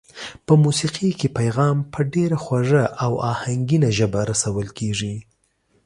په موسېقۍ کې پیغام په ډېره خوږه او آهنګینه ژبه رسول کېږي.